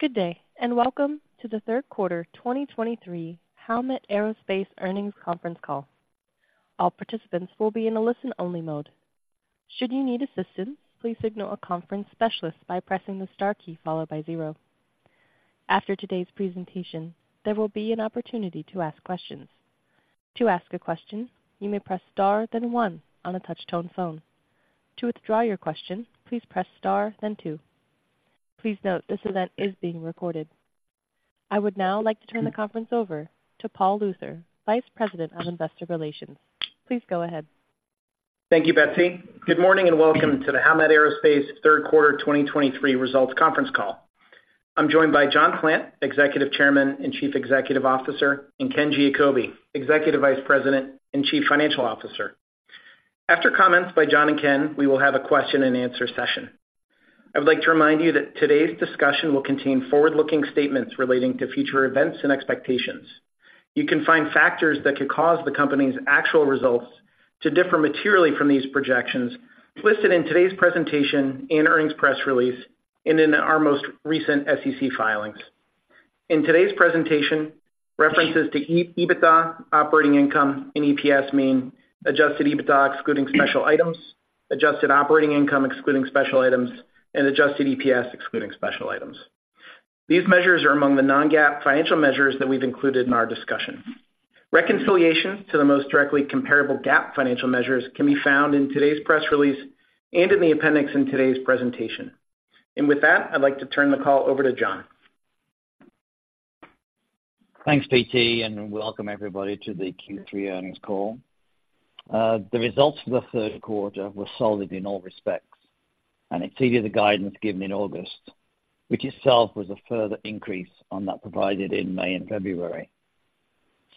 Good day, and welcome to the Q3 2023 Howmet Aerospace Earnings conference call. All participants will be in a listen-only mode. Should you need assistance, please signal a conference specialist by pressing the star key followed by zero. After today's presentation, there will be an opportunity to ask questions. To ask a question, you may press star, then one on a touch-tone phone. To withdraw your question, please press star then two. Please note, this event is being recorded. I would now like to turn the conference over to Paul Luther, Vice President of Investor Relations. Please go ahead. Thank you, Betsy. Good morning, and welcome to the Howmet Aerospace Q3 2023 results conference call. I'm joined by John Plant, Executive Chairman and Chief Executive Officer, and Ken Giacobbe, Executive Vice President and Chief Financial Officer. After comments by John and Ken, we will have a question-and-answer session. I would like to remind you that today's discussion will contain forward-looking statements relating to future events and expectations. You can find factors that could cause the company's actual results to differ materially from these projections listed in today's presentation and earnings press release, and in our most recent SEC filings. In today's presentation, references to EBITDA, operating income, and EPS mean adjusted EBITDA excluding special items, adjusted operating income excluding special items, and adjusted EPS excluding special items. These measures are among the non-GAAP financial measures that we've included in our discussion. Reconciliation to the most directly comparable GAAP financial measures can be found in today's press release and in the appendix in today's presentation. With that, I'd like to turn the call over to John. Thanks, PT, and welcome everybody to the Q3 earnings call. The results for the Q3 were solid in all respects and exceeded the guidance given in August, which itself was a further increase on that provided in May and February.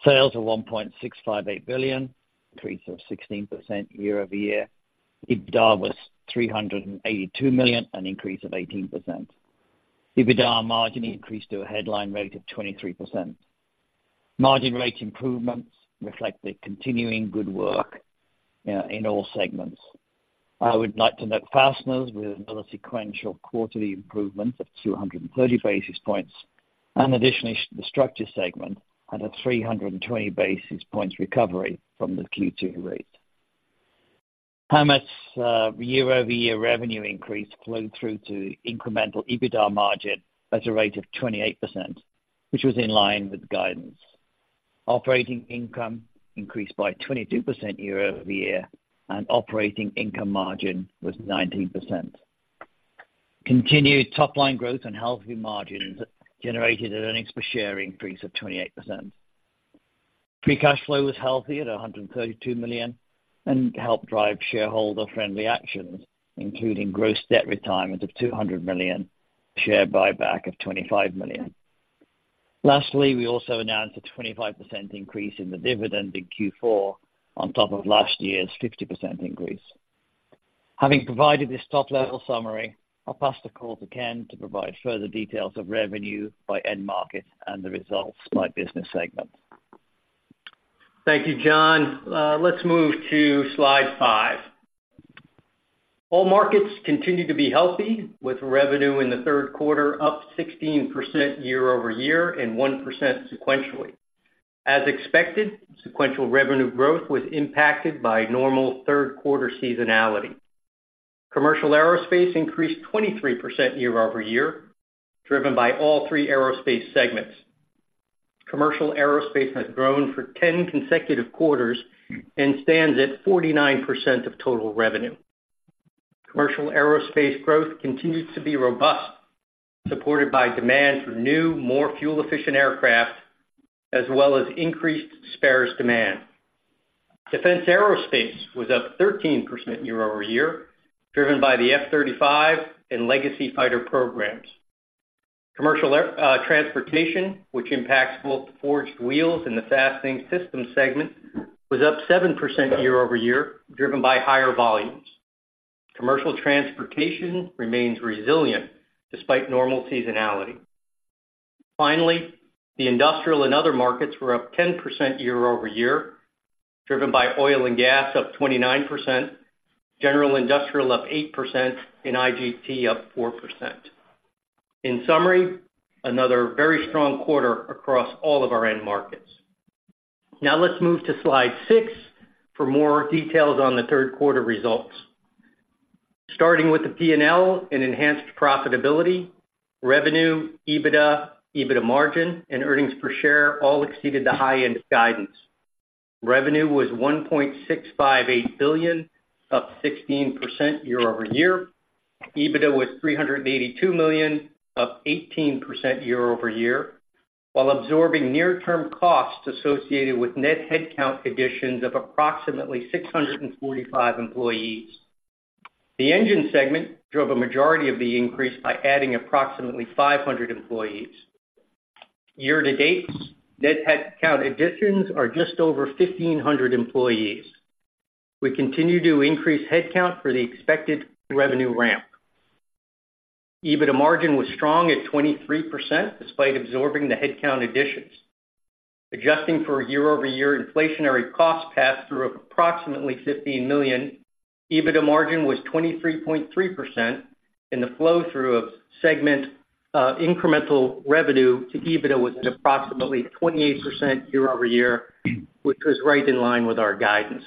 Sales are $1.658 billion, increase of 16% year-over-year. EBITDA was $382 million, an increase of 18%. EBITDA margin increased to a headline rate of 23%. Margin rate improvements reflect the continuing good work in all segments. I would like to note fasteners with another sequential quarterly improvement of 230 basis points, and additionally, the structure segment had a 320 basis points recovery from the Q2 rate. Howmet's year-over-year revenue increase flowed through to incremental EBITDA margin at a rate of 28%, which was in line with the guidance. Operating income increased by 22% year-over-year, and operating income margin was 19%. Continued top-line growth and healthy margins generated an earnings per share increase of 28%. Free cash flow was healthy at $132 million and helped drive shareholder-friendly actions, including gross debt retirement of $200 million, share buyback of $25 million. Lastly, we also announced a 25% increase in the dividend in Q4 on top of last year's 50% increase. Having provided this top-level summary, I'll pass the call to Ken to provide further details of revenue by end market and the results by business segment. Thank you, John. Let's move to slide five. All markets continue to be healthy, with revenue in the Q3 up 16% year-over-year and 1% sequentially. As expected, sequential revenue growth was impacted by normal Q3 seasonality. Commercial aerospace increased 23% year-over-year, driven by all three aerospace segments. Commercial aerospace has grown for 10 consecutive quarters and stands at 49% of total revenue. Commercial aerospace growth continues to be robust, supported by demand for new, more fuel-efficient aircraft, as well as increased spares demand. Defense aerospace was up 13% year-over-year, driven by the F-35 and legacy fighter programs. Commercial transportation, which impacts both forged wheels and the fastening system segment, was up 7% year-over-year, driven by higher volumes. Commercial transportation remains resilient despite normal seasonality. Finally, the industrial and other markets were up 10% year-over-year, driven by oil and gas, up 29%, general industrial, up 8%, and IGT, up 4%. In summary, another very strong quarter across all of our end markets. Now, let's move to Slide six for more details on the Q3 results. Starting with the P&L and enhanced profitability, revenue, EBITDA, EBITDA margin, and earnings per share all exceeded the high end of guidance. Revenue was $1.658 billion, up 16% year-over-year. EBITDA was $382 million, up 18% year-over-year, while absorbing near-term costs associated with net headcount additions of approximately 645 employees. The engine segment drove a majority of the increase by adding approximately 500 employees. Year-to-date, net headcount additions are just over 1,500 employees. We continue to increase headcount for the expected revenue ramp. EBITDA margin was strong at 23%, despite absorbing the headcount additions. Adjusting for year-over-year inflationary cost pass-through of approximately $15 million, EBITDA margin was 23.3%, and the flow-through of segment incremental revenue to EBITDA was at approximately 28% year over year, which was right in line with our guidance.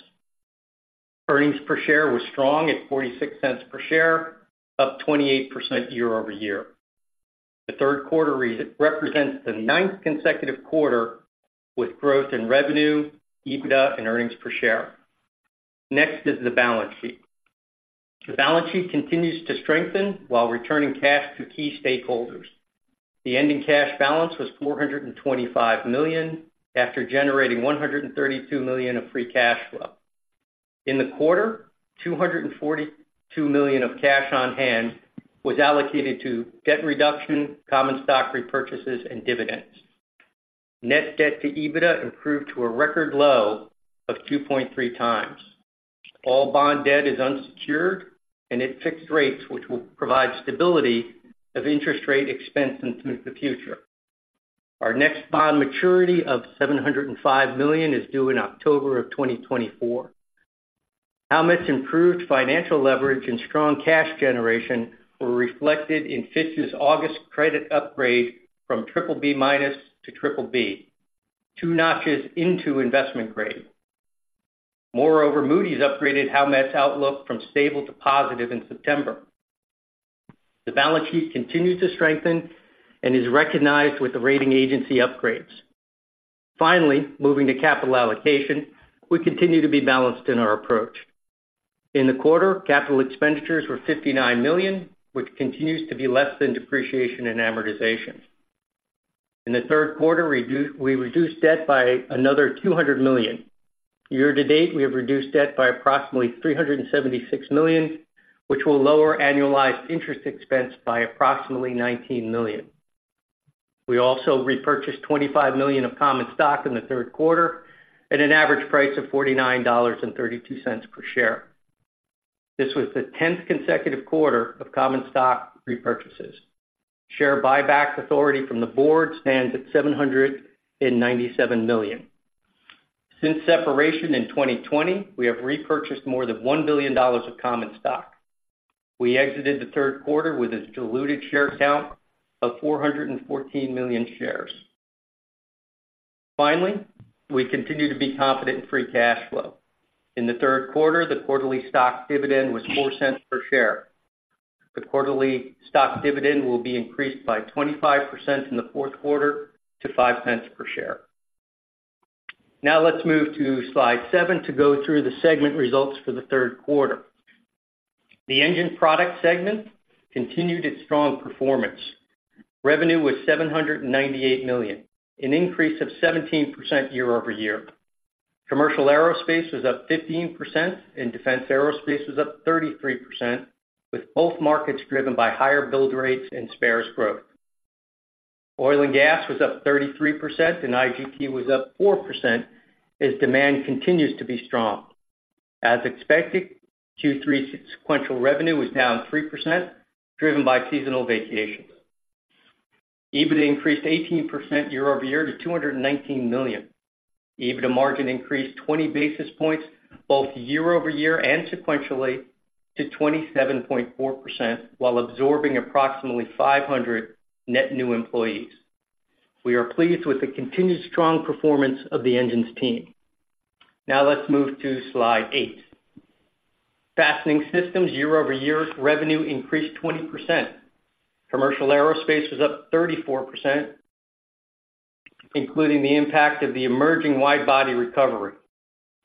Earnings per share was strong at $0.46 per share, up 28% year over year. The Q3 represents the ninth consecutive quarter with growth in revenue, EBITDA, and earnings per share. Next is the balance sheet. The balance sheet continues to strengthen while returning cash to key stakeholders. The ending cash balance was $425 million, after generating $132 million of free cash flow. In the quarter, $242 million of cash on hand was allocated to debt reduction, common stock repurchases, and dividends. Net debt to EBITDA improved to a record low of 2.3x. All bond debt is unsecured and at fixed rates, which will provide stability of interest rate expense into the future. Our next bond maturity of $705 million is due in October 2024. Howmet's improved financial leverage and strong cash generation were reflected in Fitch's August credit upgrade from BBB- to BBB, two notches into investment grade. Moreover, Moody's upgraded Howmet's outlook from stable to positive in September. The balance sheet continues to strengthen and is recognized with the rating agency upgrades. Finally, moving to capital allocation, we continue to be balanced in our approach. In the quarter, capital expenditures were $59 million, which continues to be less than depreciation and amortization. In the Q3, we reduced debt by another $200 million. Year to date, we have reduced debt by approximately $376 million, which will lower annualized interest expense by approximately $19 million. We also repurchased $25 million of common stock in the Q3 at an average price of $49.32 per share. This was the 10th consecutive quarter of common stock repurchases. Share buyback authority from the board stands at $797 million. Since separation in 2020, we have repurchased more than $1 billion of common stock. We exited the Q3 with a diluted share count of 414 million shares. Finally, we continue to be confident in free cash flow. In the Q3, the quarterly stock dividend was $0.04 per share. The quarterly stock dividend will be increased by 25% in the Q4 to $0.05 per share. Now let's move to slide seven to go through the segment results for the Q3. The Engine Products segment continued its strong performance. Revenue was $798 million, an increase of 17% year-over-year. Commercial aerospace was up 15%, and defense aerospace was up 33%, with both markets driven by higher build rates and spares growth. Oil and gas was up 33%, and IGT was up 4%, as demand continues to be strong. As expected, Q3 sequential revenue was down 3%, driven by seasonal vacations. EBITDA increased 18% year-over-year to $219 million. EBITDA margin increased 20 basis points, both year-over-year and sequentially, to 27.4%, while absorbing approximately 500 net new employees. We are pleased with the continued strong performance of the Engines team. Now let's move to slide eight. Fastening Systems, year-over-year revenue increased 20%. Commercial aerospace was up 34%, including the impact of the emerging wide-body recovery.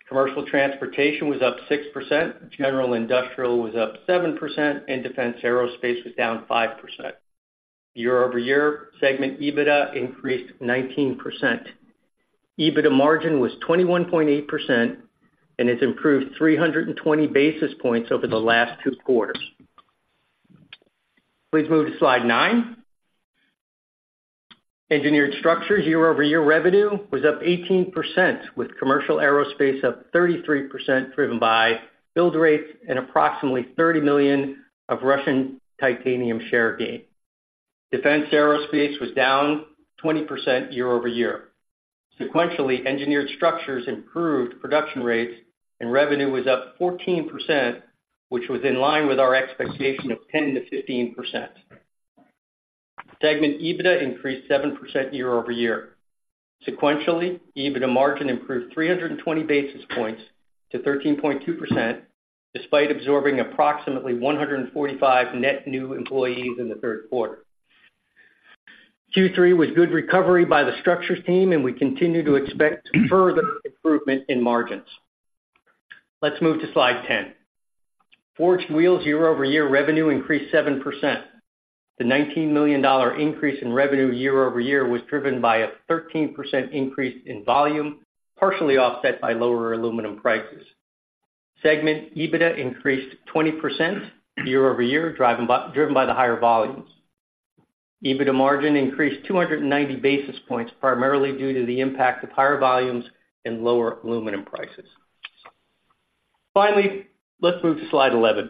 Commercial transportation was up 6%, general industrial was up 7%, and defense aerospace was down 5%. Year-over-year, segment EBITDA increased 19%. EBITDA margin was 21.8%, and it's improved 320 basis points over the last two quarters. Please move to slide nine. Engineered Structures, year-over-year revenue was up 18%, with commercial aerospace up 33%, driven by build rates and approximately $30 million of Russian titanium share gain. Defense aerospace was down 20% year-over-year. Sequentially, Engineered Structures improved production rates and revenue was up 14%, which was in line with our expectation of 10%-15%. Segment EBITDA increased 7% year-over-year. Sequentially, EBITDA margin improved 320 basis points to 13.2%, despite absorbing approximately 145 net new employees in the Q3. Q3 was good recovery by the Structures team, and we continue to expect further improvement in margins. Let's move to slide 10. Forged Wheels, year-over-year revenue increased 7%. The $19 million increase in revenue year-over-year was driven by a 13% increase in volume, partially offset by lower aluminum prices. Segment EBITDA increased 20% year-over-year, driven by the higher volumes. EBITDA margin increased 290 basis points, primarily due to the impact of higher volumes and lower aluminum prices. Finally, let's move to slide 11.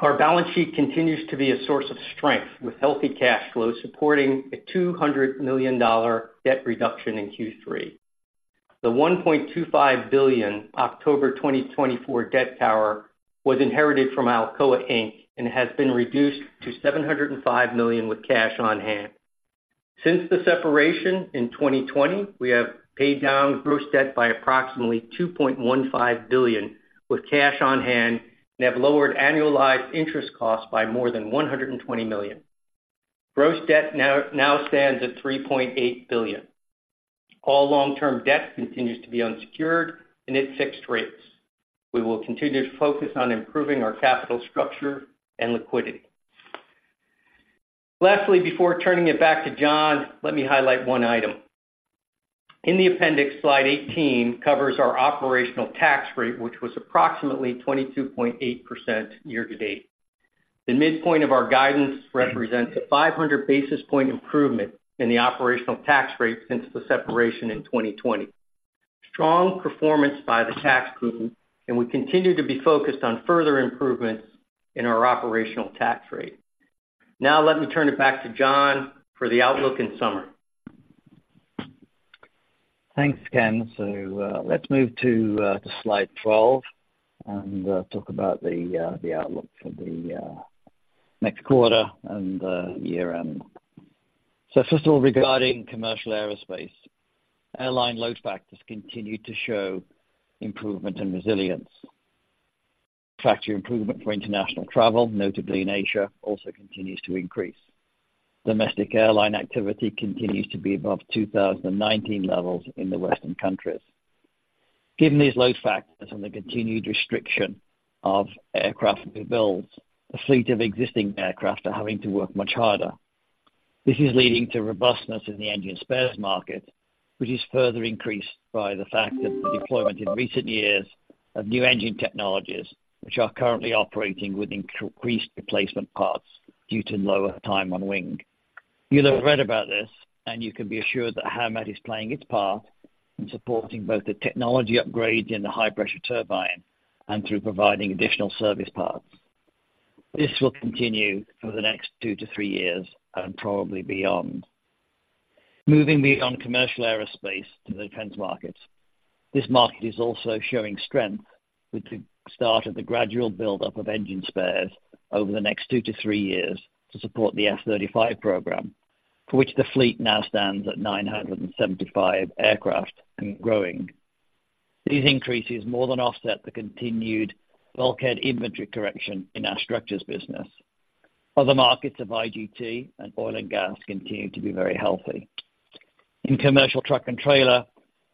Our balance sheet continues to be a source of strength, with healthy cash flow supporting a $200 million debt reduction in Q3. The $1.25 billion, October 2024, debt tower was inherited from Alcoa Inc. and has been reduced to $705 million with cash on hand. Since the separation in 2020, we have paid down gross debt by approximately $2.15 billion with cash on hand, and have lowered annualized interest costs by more than $120 million. Gross debt now stands at $3.8 billion. All long-term debt continues to be unsecured and at fixed rates. We will continue to focus on improving our capital structure and liquidity. Lastly, before turning it back to John, let me highlight one item. In the appendix, slide 18 covers our operational tax rate, which was approximately 22.8% year-to-date. The midpoint of our guidance represents a 500 basis point improvement in the operational tax rate since the separation in 2020. Strong performance by the tax group, and we continue to be focused on further improvements in our operational tax rate. Now, let me turn it back to John for the outlook and summary. Thanks, Ken. So, let's move to slide 12, and talk about the outlook for the next quarter and the year-end. So first of all, regarding commercial aerospace. Airline load factors continue to show improvement and resilience. Factor improvement for international travel, notably in Asia, also continues to increase. Domestic airline activity continues to be above 2019 levels in the Western countries. Given these load factors and the continued restriction of aircraft builds, the fleet of existing aircraft are having to work much harder. This is leading to robustness in the engine spares market, which is further increased by the fact that the deployment in recent years of new engine technologies, which are currently operating with increased replacement parts due to lower time on wing. You'll have read about this, and you can be assured that Howmet is playing its part in supporting both the technology upgrade in the high pressure turbine and through providing additional service parts. This will continue for the next two-three years and probably beyond. Moving beyond commercial aerospace to he defense markets. This market is also showing strength with the start of the gradual buildup of engine spares over the next two-three years to support the F-35 program, for which the fleet now stands at 975 aircraft and growing. These increases more than offset the continued bulkhead inventory correction in our structures business. Other markets of IGT and oil and gas continue to be very healthy. In commercial truck and trailer,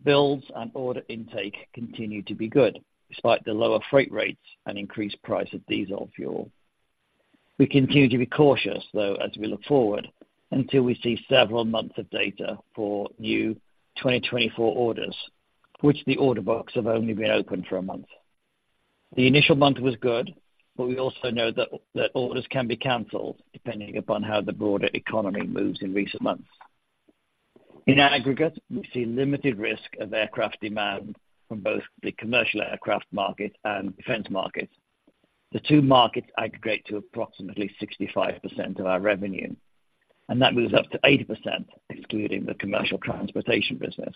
builds and order intake continue to be good, despite the lower freight rates and increased price of diesel fuel. We continue to be cautious, though, as we look forward, until we see several months of data for new 2024 orders, which the order books have only been open for a month. The initial month was good, but we also know that, that orders can be canceled depending upon how the broader economy moves in recent months. In aggregate, we see limited risk of aircraft demand from both the commercial aircraft market and defense markets. The two markets aggregate to approximately 65% of our revenue, and that moves up to 80%, including the commercial transportation business.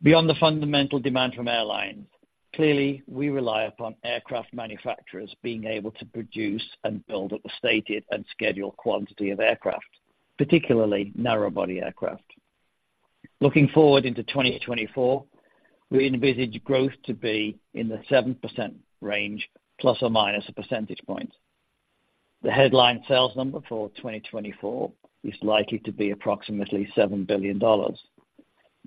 Beyond the fundamental demand from airlines, clearly, we rely upon aircraft manufacturers being able to produce and build at the stated and scheduled quantity of aircraft, particularly narrow body aircraft. Looking forward into 2024, we envisage growth to be in the 7% range, plus or minus a percentage point. The headline sales number for 2024 is likely to be approximately $7 billion.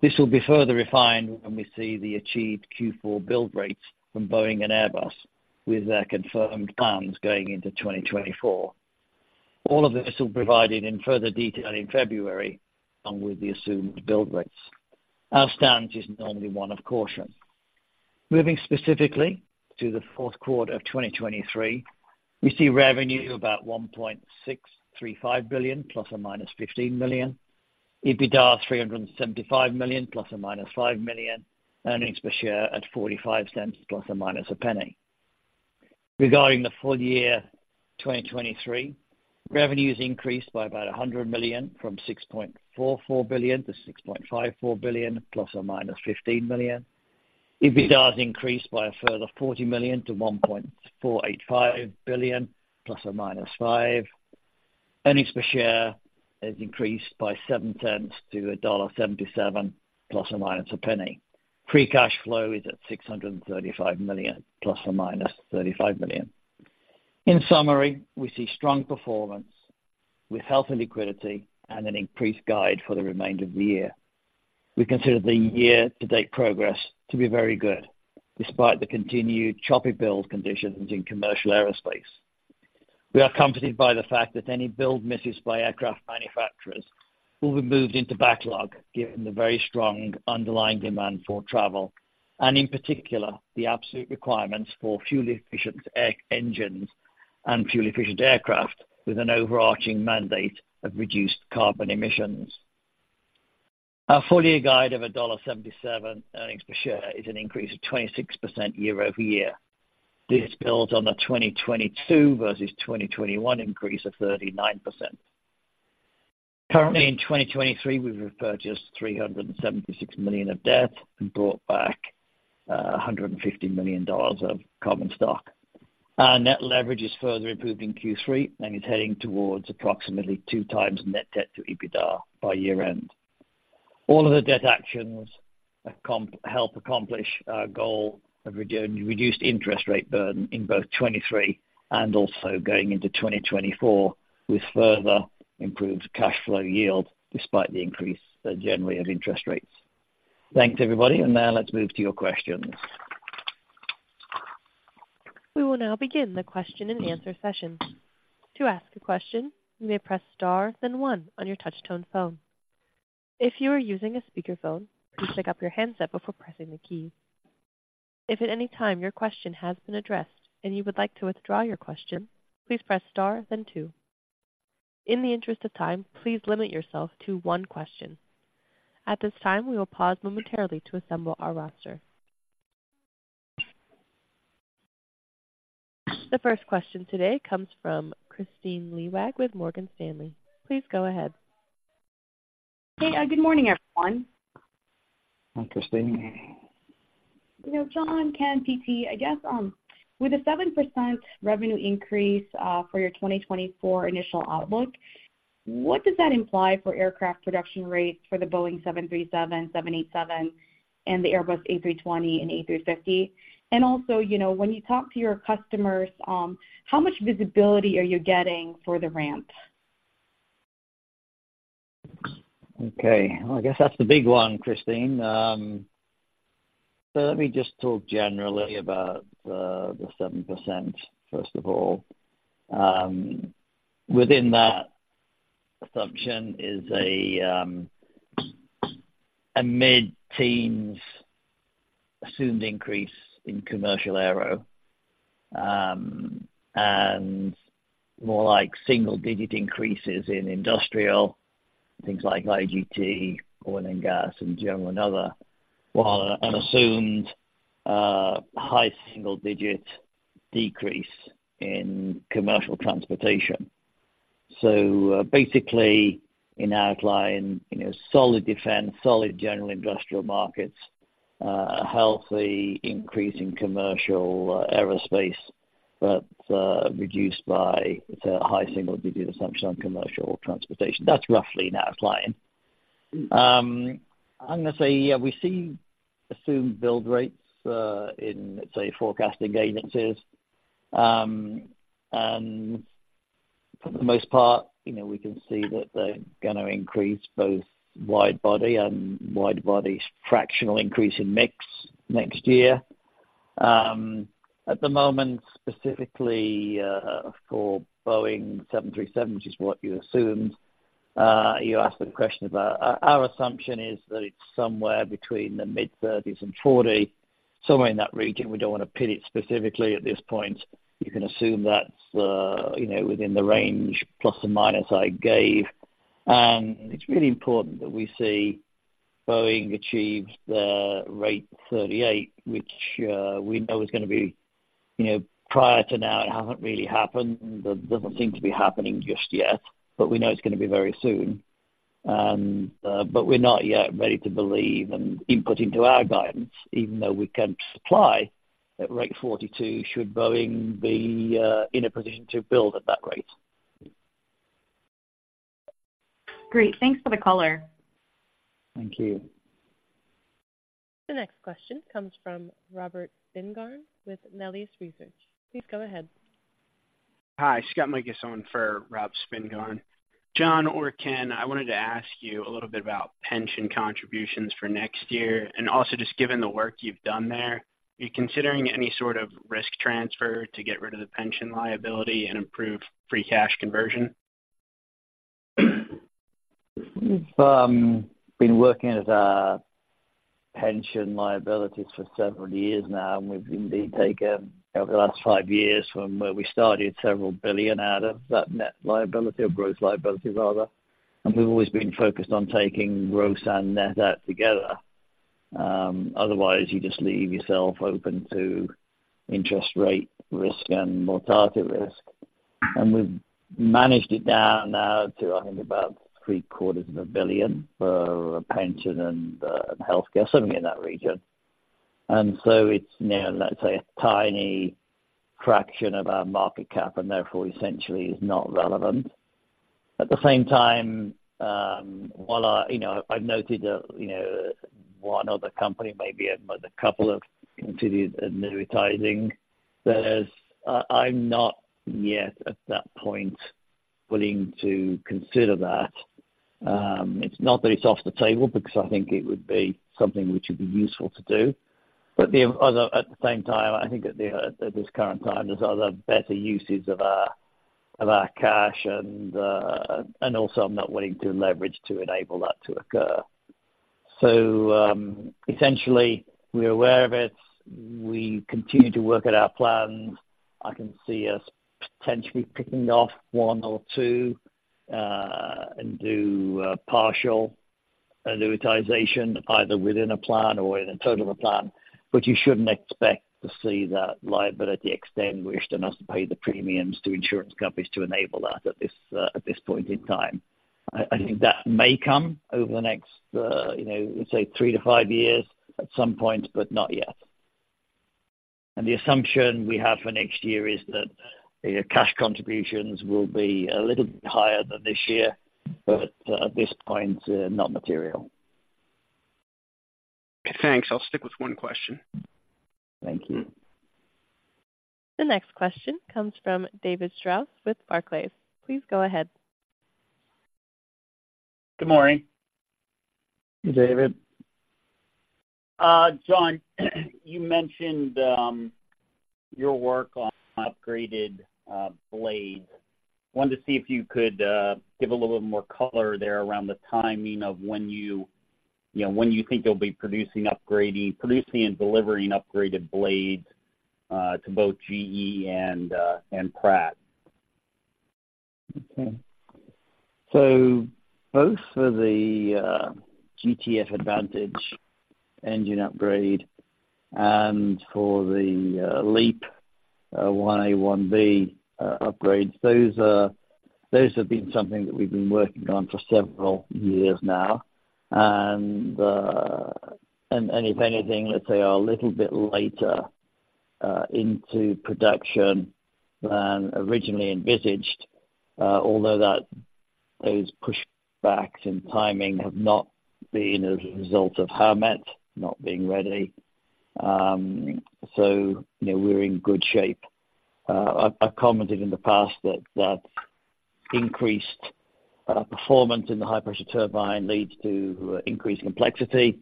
This will be further refined when we see the achieved Q4 build rates from Boeing and Airbus, with their confirmed plans going into 2024. All of this will be provided in further detail in February, along with the assumed build rates. Our stance is normally one of caution. Moving specifically to the Q4 of 2023, we see revenue about $1.635 billion ±$15 million. EBITDA $375 million ±$5 million. Earnings per share at $0.45 ±$0.01. Regarding the full year 2023, revenues increased by about $100 million, from $6.4 billion to $6.54 billion ±$15 million. EBITDA is increased by a further $40 million to $1.485 billion, ±$5 million. Earnings per share has increased by $0.70 to $1.77, ±$0.01. Free cash flow is at $635 million, ±$35 million. In summary, we see strong performance with healthy liquidity and an increased guide for the remainder of the year. We consider the year-to-date progress to be very good, despite the continued choppy build conditions in commercial aerospace. We are comforted by the fact that any build misses by aircraft manufacturers will be moved into backlog, given the very strong underlying demand for travel, and in particular, the absolute requirements for fuel-efficient air engines and fuel-efficient aircraft with an overarching mandate of reduced carbon emissions. Our full year guide of $1.77 earnings per share is an increase of 26% year-over-year. This builds on the 2022 versus 2021 increase of 39%. Currently, in 2023, we've repurchased $376 million of debt and bought back $150 million of common stock. Our net leverage is further improved in Q3, and is heading towards approximately 2x net debt to EBITDA by year-end. All of the debt actions have helped accomplish our goal of reducing the interest rate burden in both 2023 and also going into 2024, with further improved cash flow yield despite the increase generally of interest rates. Thanks, everybody, and now let's move to your questions. We will now begin the question and answer session. To ask a question, you may press star, then one on your touchtone phone. If you are using a speakerphone, please pick up your handset before pressing the key. If at any time your question has been addressed and you would like to withdraw your question, please press star then two. In the interest of time, please limit yourself to one question. At this time, we will pause momentarily to assemble our roster. The first question today comes from Kristine Liwag with Morgan Stanley. Please go ahead. Hey, good morning, everyone. Hi, Kristine. You know, John, Ken, PT, I guess, with a 7% revenue increase, for your 2024 initial outlook, what does that imply for aircraft production rates for the Boeing 737, 787, and the Airbus A320 and A350? And also, you know, when you talk to your customers, how much visibility are you getting for the ramp? Okay, I guess that's the big one, Kristine. So let me just talk generally about the 7%, first of all. Within that assumption is a mid-teens assumed increase in commercial aero, and more like single-digit increases in industrial, things like IGT, oil and gas, and general and other, while an assumed high single-digit decrease in commercial transportation. So, basically, in outline, you know, solid defense, solid general industrial markets, a healthy increase in commercial aerospace, but reduced by the high single-digit assumption on commercial transportation. That's roughly an outline. We see assumed build rates in, let's say, forecasting agencies. And for the most part, you know, we can see that they're gonna increase both wide-body and wide-body's fractional increase in mix next year. At the moment, specifically, for Boeing 737, which is what you assumed, you asked the question about. Our assumption is that it's somewhere between the mid-30s and 40, somewhere in that region. We don't want to pin it specifically at this point. You can assume that's, you know, within the range plus or minus I gave. It's really important that we see Boeing achieve the rate 38, which, we know is gonna be, you know, prior to now, it hasn't really happened, and it doesn't seem to be happening just yet, but we know it's gonna be very soon. But we're not yet ready to believe and input into our guidance, even though we can supply at rate 42, should Boeing be in a position to build at that rate. Great. Thanks for the color. Thank you. The next question comes from Robert Spingarn with Melius Research. Please go ahead. Hi, Scott Mikus for Rob Spingarn. John or Ken, I wanted to ask you a little bit about pension contributions for next year, and also just given the work you've done there, are you considering any sort of risk transfer to get rid of the pension liability and improve free cash conversion? We've been working with our pension liabilities for several years now, and we've indeed taken, over the last five years, from where we started, $several billion out of that net liability or growth liability rather. And we've always been focused on taking growth and net out together. Otherwise, you just leave yourself open to interest rate risk and mortality risk. And we've managed it down now to, I think about $750 million for pension and healthcare, something in that region. And so it's now, let's say, a tiny fraction of our market cap, and therefore essentially is not relevant. At the same time, while I, you know, I've noted that, you know, one other company, maybe a couple, have considered amortizing, there's... I'm not yet at that point willing to consider that. It's not that it's off the table, because I think it would be something which would be useful to do, but the other, at the same time, I think at this current time, there's other better uses of our, of our cash, and, and also I'm not willing to leverage to enable that to occur. So, essentially, we're aware of it. We continue to work at our plans. I can see us potentially picking off one or two, and do partial annuitization, either within a plan or in a total of a plan. But you shouldn't expect to see that liability extinguished enough to pay the premiums to insurance companies to enable that at this point in time. I, I think that may come over the next, you know, say three to five years at some point, but not yet. And the assumption we have for next year is that, you know, cash contributions will be a little higher than this year, but at this point, not material. Thanks. I'll stick with one question. Thank you. The next question comes from David Strauss with Barclays. Please go ahead. Good morning. David. John, you mentioned your work on upgraded blades. Wanted to see if you could give a little bit more color there around the timing of when you, you know, when you think you'll be producing, upgrading, producing, and delivering upgraded blades to both GE and Pratt. Okay. So both for the GTF Advantage engine upgrade and for the LEAP-1A, 1B upgrades, those have been something that we've been working on for several years now, and if anything, let's say are a little bit later into production than originally envisaged. Although those push backs and timing have not been as a result of Howmet not being ready. So, you know, we're in good shape. I've commented in the past that that increased performance in the high pressure turbine leads to increased complexity,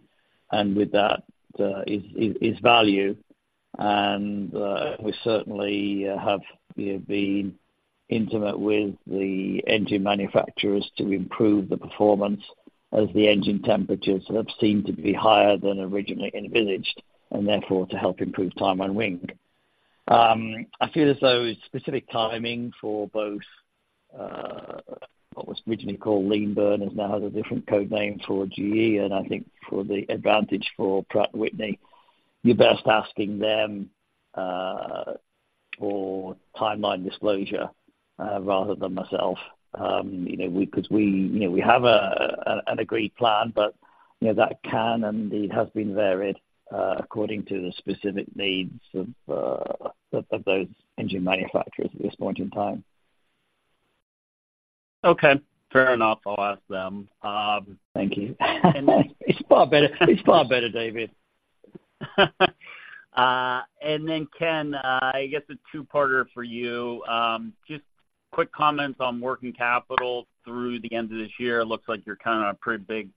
and with that is value. And we certainly have, you know, been intimate with the engine manufacturers to improve the performance as the engine temperatures have seemed to be higher than originally envisaged, and therefore, to help improve time on wing. I feel as though specific timing for both, what was originally called Lean burn, has now a different code name for GE, and I think for the Advantage, for Pratt & Whitney, you're best asking them, for timeline disclosure, rather than myself. You know, we, because we, you know, we have a, an agreed plan, but, you know, that can, and it has been varied, according to the specific needs of, of those engine manufacturers at this point in time. Okay, fair enough. I'll ask them- Thank you. It's far better, it's far better, David. And then, Ken, I guess a two-parter for you. Just quick comments on working capital through the end of this year. It looks like you're kind of a pretty big,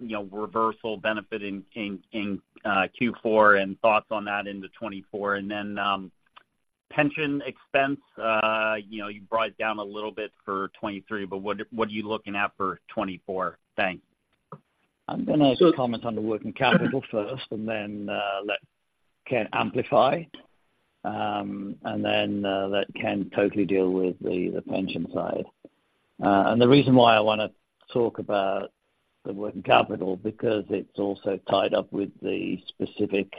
you know, reversal benefiting in, in, Q4, and thoughts on that into 2024. And then, pension expense, you know, you brought it down a little bit for 2023, but what, what are you looking at for 2024? Thanks. I'm gonna comment on the working capital first, and then let Ken amplify. And then let Ken totally deal with the pension side. And the reason why I wanna talk about the working capital, because it's also tied up with the specific,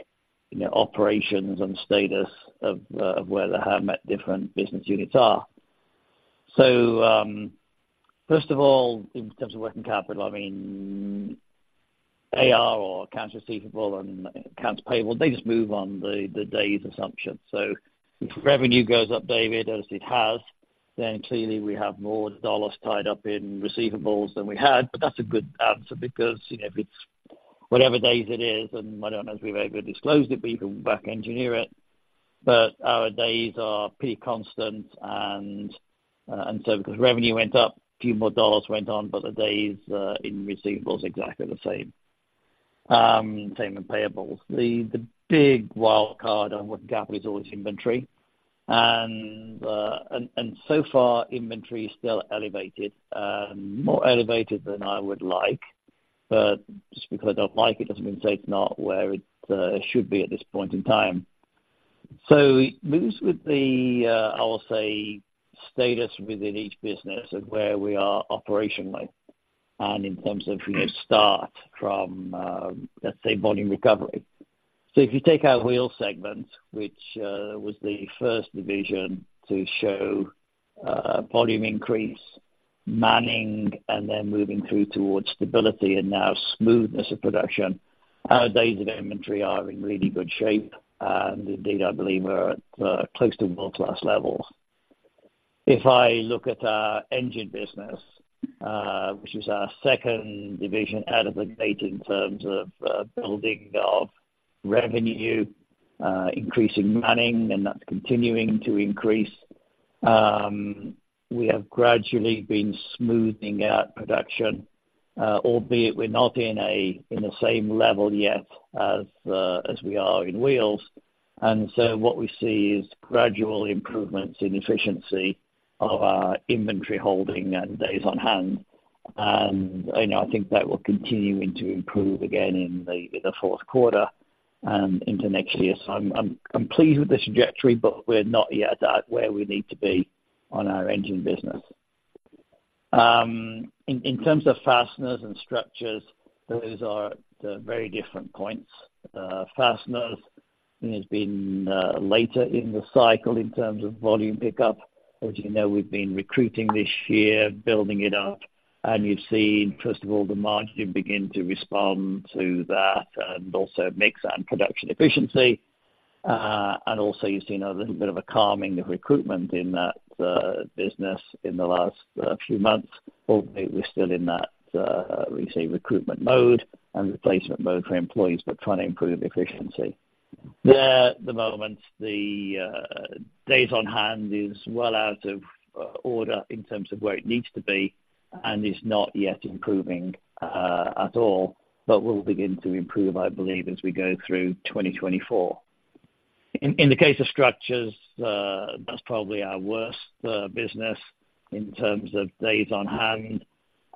you know, operations and status of where the Howmet different business units are. So, first of all, in terms of working capital, I mean, AR or accounts receivable and accounts payable, they just move on the day's assumption. So if revenue goes up, David, as it has, then clearly we have more dollars tied up in receivables than we had. But that's a good answer, because, you know, if it's whatever days it is, and I don't know if we're very good disclose it, but you can back engineer it. But our days are pretty constant, and so because revenue went up, a few more dollars went on, but the days in receivables exactly the same. Same in payables. The big wild card on working capital is always inventory. And so far, inventory is still elevated, more elevated than I would like, but just because I don't like it, doesn't mean to say it's not where it should be at this point in time. So this with the, I'll say, status within each business of where we are operationally and in terms of, you know, start from, let's say, volume recovery. So if you take our wheel segment, which was the first division to show volume increase, manning, and then moving through towards stability and now smoothness of production, our days of inventory are in really good shape. And indeed, I believe we're at close to world-class levels. If I look at our engine business, which is our second division out of the gate in terms of building of revenue, increasing manning, and that's continuing to increase, we have gradually been smoothing out production, albeit we're not in the same level yet as we are in wheels. And so what we see is gradual improvements in efficiency of our inventory holding and days on hand. And, you know, I think that will continue to improve again in the Q4 and into next year. So I'm pleased with this trajectory, but we're not yet at where we need to be on our engine business. In terms of fasteners and structures, those are at very different points. Fasteners has been later in the cycle in terms of volume pickup. As you know, we've been recruiting this year, building it up, and you've seen, first of all, the margin begin to respond to that, and also mix and production efficiency. And also you've seen a little bit of a calming of recruitment in that business in the last few months. Although we're still in that we say, recruitment mode and replacement mode for employees, but trying to improve efficiency. At the moment, the days on hand is well out of order in terms of where it needs to be, and is not yet improving at all, but will begin to improve, I believe, as we go through 2024. In the case of structures, that's probably our worst business in terms of days on hand.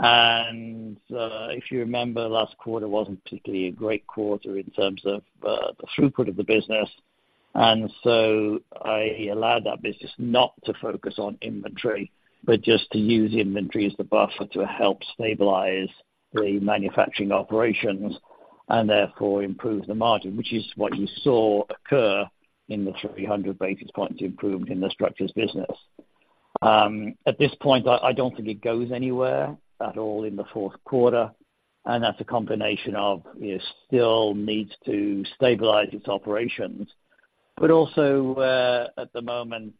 And if you remember, last quarter wasn't particularly a great quarter in terms of the throughput of the business. And so I allowed that business not to focus on inventory, but just to use inventory as the buffer to help stabilize the manufacturing operations, and therefore improve the margin, which is what you saw occur in the 300 basis points improvement in the structures business. At this point, I don't think it goes anywhere at all in the Q4, and that's a combination of, you know, still needs to stabilize its operations. But also, at the moment,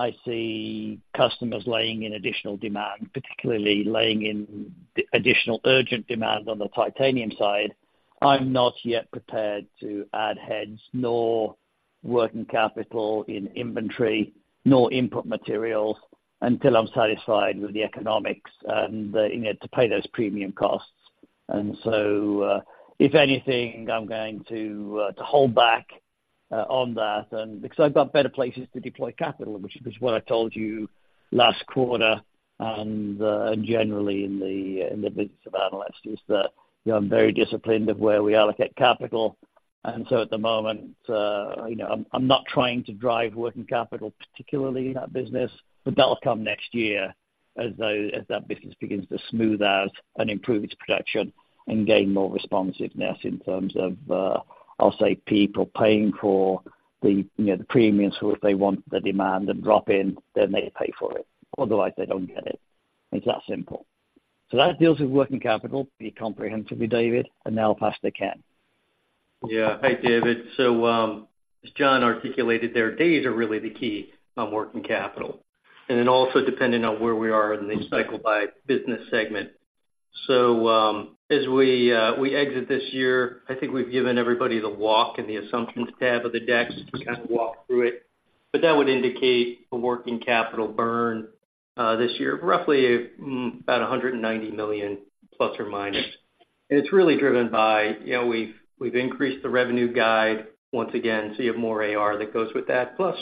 I see customers laying in additional demand, particularly laying in the additional urgent demand on the titanium side. I'm not yet prepared to add heads nor working capital in inventory, nor input materials, until I'm satisfied with the economics and, you know, to pay those premium costs. And so, if anything, I'm going to hold back on that. And because I've got better places to deploy capital, which is what I told you last quarter, and, generally in the business of analysts, is that, you know, I'm very disciplined of where we allocate capital. And so at the moment, you know, I'm not trying to drive working capital, particularly in that business, but that'll come next year as that business begins to smooth out and improve its production and gain more responsiveness in terms of, I'll say people paying for the, you know, the premiums. So if they want the demand and drop in, then they pay for it. Otherwise, they don't get it. It's that simple. So that deals with working capital pretty comprehensively, David, and now I'll pass to Ken. Yeah. Hi, David. So, as John articulated there, days are really the key on working capital, and then also depending on where we are in the cycle by business segment. So, as we exit this year, I think we've given everybody the walk and the assumptions tab of the decks, to kind of walk through it. But that would indicate a working capital burn this year, roughly, about $190 million, plus or minus. And it's really driven by, you know, we've increased the revenue guide once again, so you have more AR that goes with that. Plus,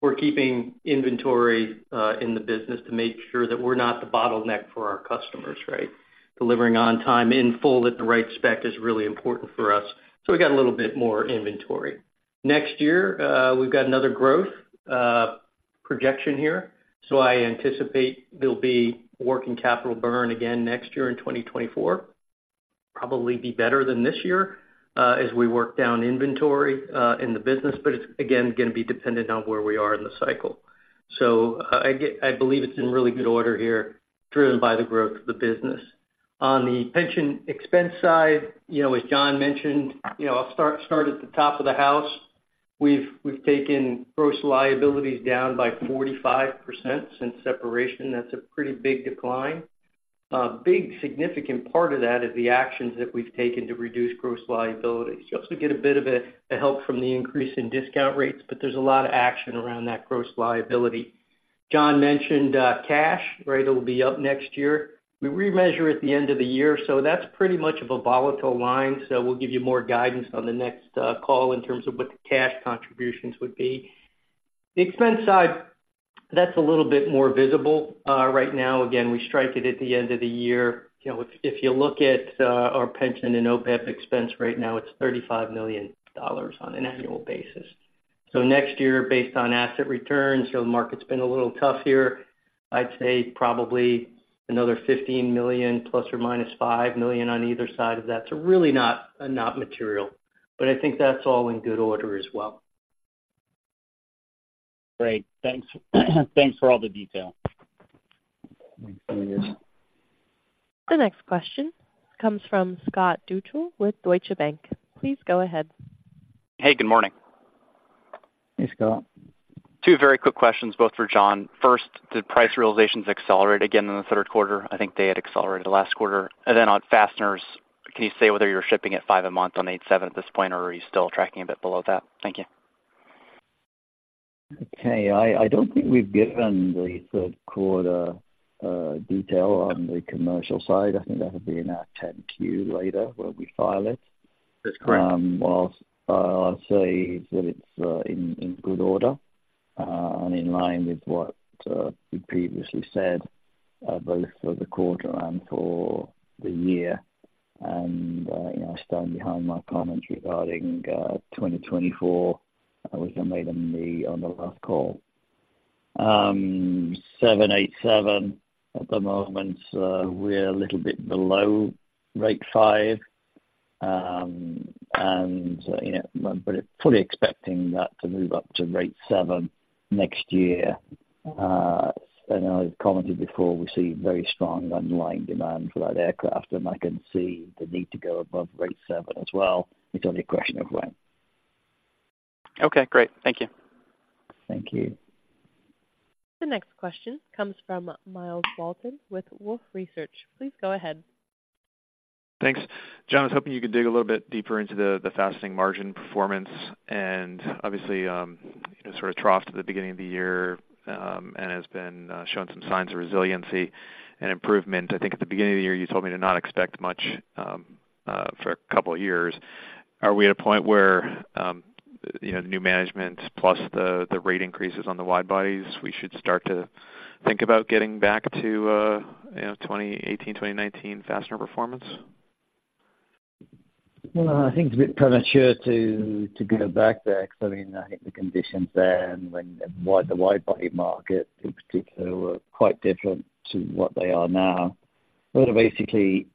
we're keeping inventory in the business to make sure that we're not the bottleneck for our customers, right? Delivering on time, in full, at the right spec is really important for us, so we've got a little bit more inventory. Next year, we've got another growth projection here. So I anticipate there'll be working capital burn again next year in 2024. Probably be better than this year, as we work down inventory in the business, but it's again gonna be dependent on where we are in the cycle. So I get, I believe it's in really good order here, driven by the growth of the business. On the pension expense side, you know, as John mentioned, you know, I'll start at the top of the house. We've taken gross liabilities down by 45% since separation. That's a pretty big decline. Big, significant part of that is the actions that we've taken to reduce gross liability. You also get a bit of a help from the increase in discount rates, but there's a lot of action around that gross liability. John mentioned cash, right? It'll be up next year. We remeasure at the end of the year, so that's pretty much of a volatile line. So we'll give you more guidance on the next call in terms of what the cash contributions would be. The expense side, that's a little bit more visible. Right now, again, we strike it at the end of the year. You know, if you look at our pension and OPEB expense right now, it's $35 million on an annual basis. So next year, based on asset returns, so the market's been a little tough here. I'd say probably another $15 million, ±$5 million on either side of that. So really not not material, but I think that's all in good order as well. Great. Thanks. Thanks for all the detail. The next question comes from Scott Deuschle with Deutsche Bank. Please go ahead. Hey, good morning. Hey, Scott. Two very quick questions, both for John. First, did price realizations accelerate again in the Q3? I think they had accelerated last quarter. And then on fasteners, can you say whether you're shipping at five a month on 787 at this point, or are you still tracking a bit below that? Thank you.... Okay, I don't think we've given the Q3 detail on the commercial side. I think that'll be in our 10-Q later, when we file it. That's correct. Well, I'll say that it's in good order and in line with what we previously said both for the quarter and for the year. And you know, I stand behind my comments regarding 2024, which I made on the last call. 787, at the moment, we're a little bit below rate five. And you know, but fully expecting that to move up to rate seven next year. And I've commented before, we see very strong underlying demand for that aircraft, and I can see the need to go above rate seven as well. It's only a question of when. Okay, great. Thank you. Thank you. The next question comes from Myles Walton with Wolfe Research. Please go ahead. Thanks. John, I was hoping you could dig a little bit deeper into the fastening margin performance, and obviously, you know, sort of troughed at the beginning of the year, and has been showing some signs of resiliency and improvement. I think at the beginning of the year, you told me to not expect much for a couple of years. Are we at a point where, you know, new management plus the rate increases on the wide bodies, we should start to think about getting back to, you know, 2018, 2019 fastener performance? Well, I think it's a bit premature to go back there because, I mean, I think the conditions then when, and why the wide body market in particular were quite different to what they are now. So basically,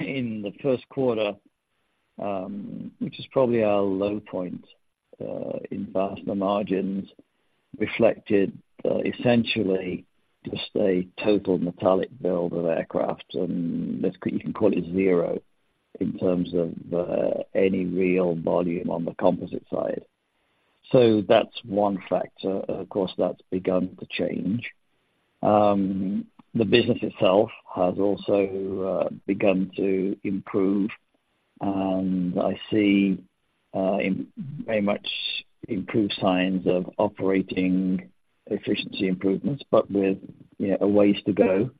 in the Q1, which is probably our low point in fastener margins, reflected essentially just a total metallic build of aircraft. And let's, you can call it zero, in terms of any real volume on the composite side. So that's one factor. Of course, that's begun to change. The business itself has also begun to improve, and I see very much improved signs of operating efficiency improvements, but with, you know, a ways to go.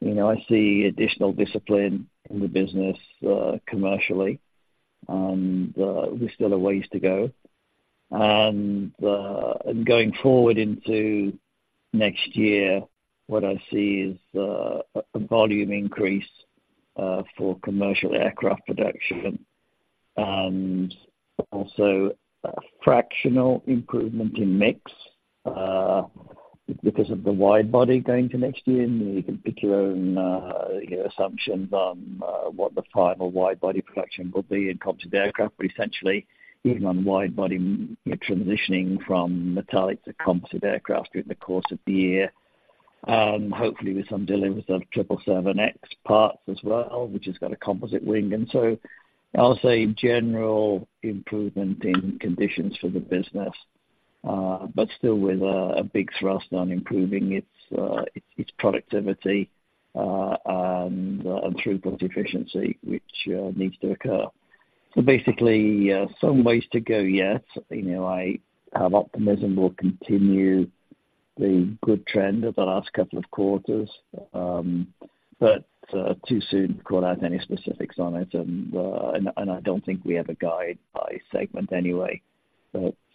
You know, I see additional discipline in the business, commercially, and there's still a ways to go. Going forward into next year, what I see is a volume increase for commercial aircraft production, and also a fractional improvement in mix because of the wide body going to next year. You can pick your own, you know, assumptions on what the final wide body production will be in composite aircraft. But essentially, even on wide body, you're transitioning from metallic to composite aircraft during the course of the year, hopefully with some delivery of 777X parts as well, which has got a composite wing. So I'll say general improvement in conditions for the business, but still with a big thrust on improving its productivity and throughput efficiency, which needs to occur. Basically, some ways to go yet. You know, I have optimism will continue the good trend of the last couple of quarters, but too soon to call out any specifics on it, and I don't think we have a guide by segment anyway.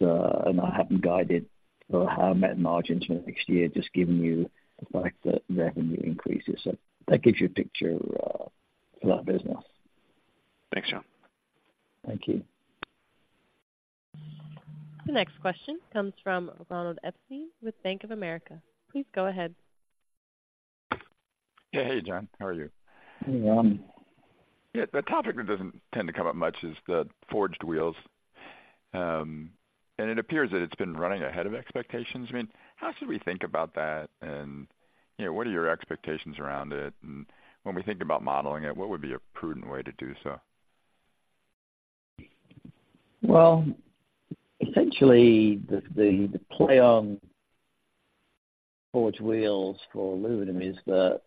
But and I haven't guided or have met margins for next year, just giving you the fact that revenue increases. So that gives you a picture for that business. Thanks, John. Thank you. The next question comes from Ronald Epstein with Bank of America. Please go ahead. Hey, John. How are you? Hey, Ron. Yeah, the topic that doesn't tend to come up much is the forged wheels. And it appears that it's been running ahead of expectations. I mean, how should we think about that? And, you know, what are your expectations around it? And when we think about modeling it, what would be a prudent way to do so? Well, essentially, the play on forged wheels for aluminum is that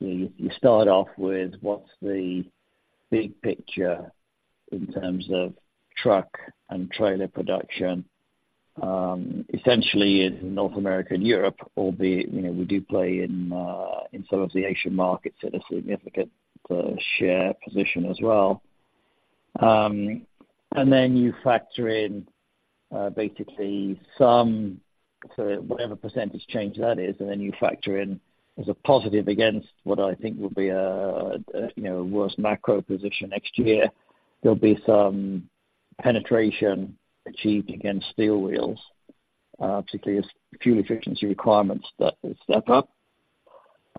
you start off with what's the big picture in terms of truck and trailer production, essentially in North America and Europe, albeit, you know, we do play in some of the Asian markets at a significant share position as well. And then you factor in, basically, so whatever percentage change that is, and then you factor in as a positive against what I think will be a, you know, worse macro position next year. There'll be some penetration achieved against steel wheels, particularly as fuel efficiency requirements that is step up.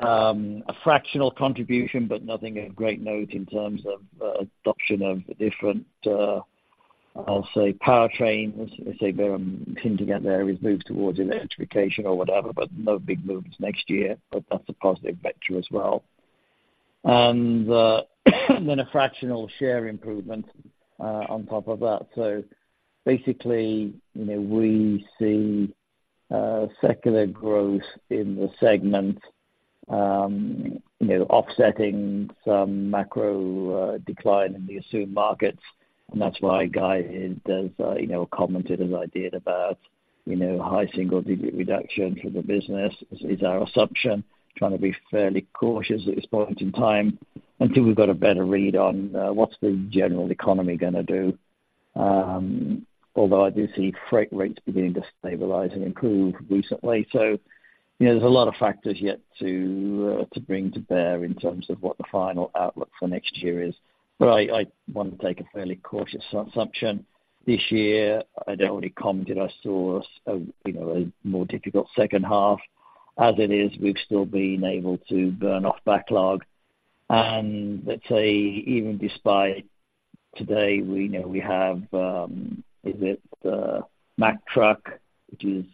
A fractional contribution, but nothing of great note in terms of adoption of the different, I'll say powertrains seem to get their moves towards electrification or whatever, but no big moves next year. But that's a positive vector as well. And then a fractional share improvement on top of that. So basically, you know, we see secular growth in the segment, you know, offsetting some macro decline in the assumed markets. And that's why Guy has, you know, commented and idea about, you know, high single digit reduction for the business is our assumption. Trying to be fairly cautious at this point in time until we've got a better read on what's the general economy gonna do? Although I do see freight rates beginning to stabilize and improve recently. So, you know, there's a lot of factors yet to bring to bear in terms of what the final outlook for next year is. But I want to take a fairly cautious assumption. This year, I'd already commented, I saw a, you know, a more difficult H2. As it is, we've still been able to burn off backlog. And let's say even despite today, we know we have, is it, Mack Trucks, which is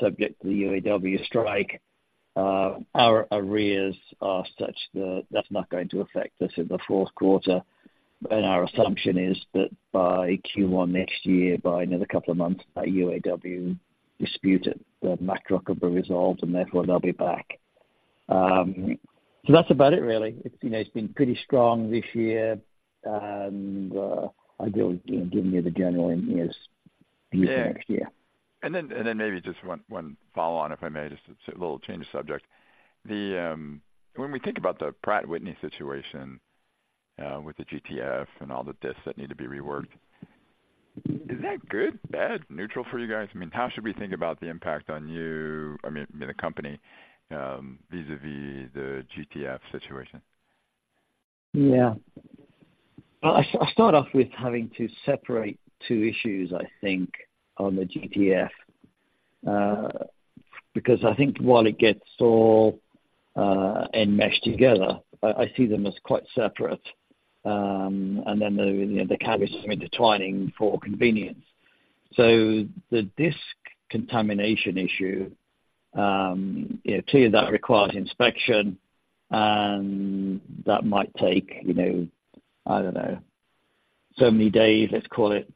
subject to the UAW strike? Our arrears are such that that's not going to affect us in the Q4, and our assumption is that by Q1 next year, by another couple of months, that UAW dispute at the Mack Trucks will be resolved, and therefore they'll be back. So that's about it really. It's, you know, it's been pretty strong this year, and, ideally, you know, giving you the general in years- Yeah. Into next year. And then maybe just one follow on, if I may, just a little change of subject. When we think about the Pratt & Whitney situation with the GTF and all the disks that need to be reworked, is that good, bad, neutral for you guys? I mean, how should we think about the impact on you, I mean, the company, vis-a-vis the GTF situation? Yeah. Well, I'll start off with having to separate two issues, I think, on the GTF. Because I think while it gets all enmeshed together, I, I see them as quite separate. And then the, you know, they can some intertwining for convenience. So the disk contamination issue, you know, clearly that requires inspection, and that might take, you know, I don't know, so many days, let's call it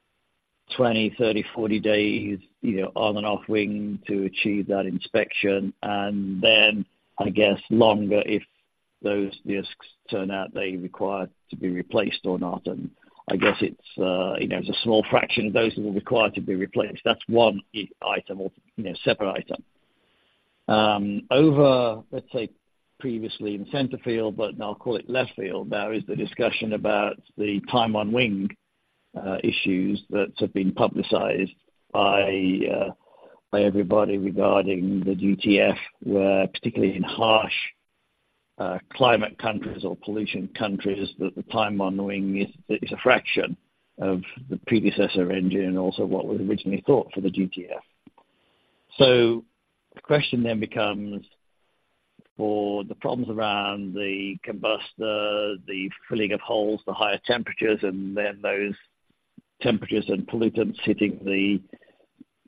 20, 30, 40 days, you know, on and off wing to achieve that inspection. And then I guess longer if those disks turn out, they require to be replaced or not. And I guess it's, you know, it's a small fraction of those that will require to be replaced. That's one item or, you know, separate item. Over, let's say, previously in center field, but now I'll call it left field, there is the discussion about the time on wing issues that have been publicized by everybody regarding the GTF, where, particularly in harsh climate countries or pollution countries, that the time on wing is a fraction of the predecessor engine and also what was originally thought for the GTF. So the question then becomes for the problems around the combustor, the filling of holes, the higher temperatures, and then those temperatures and pollutants hitting the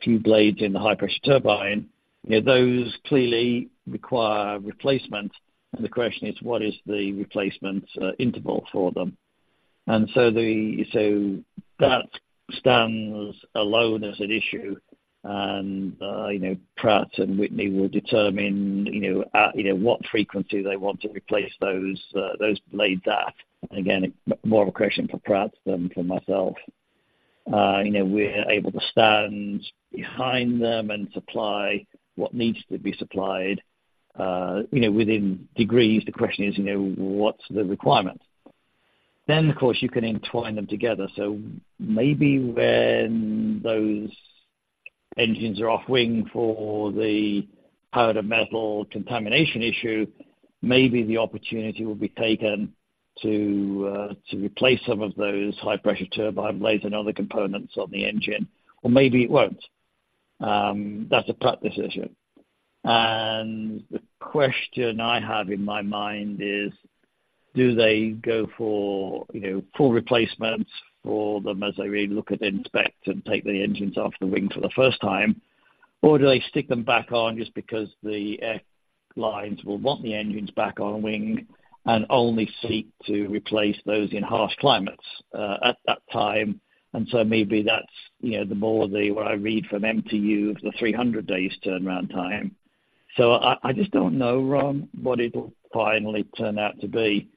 few blades in the high pressure turbine, you know, those clearly require replacement. And the question is: What is the replacement interval for them? And so that stands alone as an issue. And, you know, Pratt & Whitney will determine, you know, at what frequency they want to replace those blades at. Again, more of a question for Pratt than for myself. You know, we're able to stand behind them and supply what needs to be supplied, you know, within degrees. The question is, you know, what's the requirement? Then, of course, you can entwine them together. So maybe when those engines are off wing for the powder metal contamination issue, maybe the opportunity will be taken to replace some of those high pressure turbine blades and other components on the engine, or maybe it won't. That's a Pratt decision. The question I have in my mind is: Do they go for, you know, full replacements for them as they really look at, inspect, and take the engines off the wing for the first time? Or do they stick them back on just because the airlines will want the engines back on wing and only seek to replace those in harsh climates at that time? And so maybe that's, you know, the more of the what I read from MTU, of the 300 days turnaround time. So I just don't know, Ron, what it'll finally turn out to be.